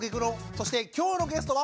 そして今日のゲストは！